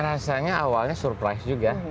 rasanya awalnya surprise juga